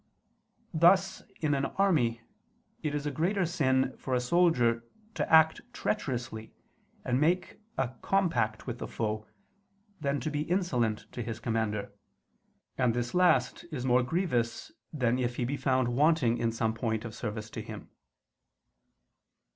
Thus, in an army, it is a greater sin for a soldier to act treacherously and make a compact with the foe, than to be insolent to his commander: and this last is more grievous than if he be found wanting in some point of service to him.